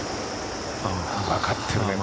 分かってるね。